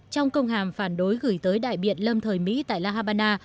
trong công hàm phản đối gửi tới đại biện lâm thời mỹ tại la habana